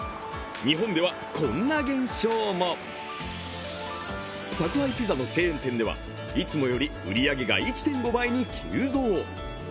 日本ではこんな現象も宅配ピザのチェーン店ではいつもより売り上げが１．５倍に急増。